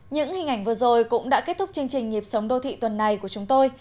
những hình ảnh vừa rồi cũng đã kết thúc chương trình nhịp sống đô thị tuần này của chúng tôi